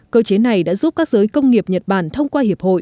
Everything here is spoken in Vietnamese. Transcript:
cơ chế này đã giúp các giới công nghiệp nhật bản thông qua hiệp hội